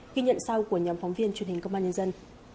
ghi nhận sau của nhóm phóng viên truyền hình công an nhân dân